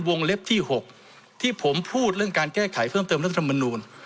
เล็บที่๖ที่ผมพูดเรื่องการแก้ไขเพิ่มเติมรัฐธรรมนูล